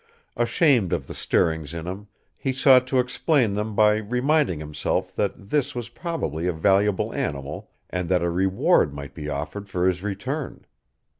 Ashamed of the stirrings in him, he sought to explain them by reminding himself that this was probably a valuable animal and that a reward might be offered for his return.